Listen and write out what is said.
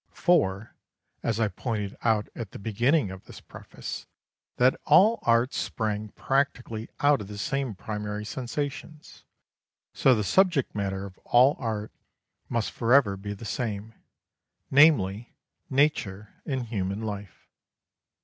For, as I pointed out at the beginning of this preface, that all arts sprang practically out of the same primary sensations, so the subject matter of all art must forever be the same: namely, nature and human life.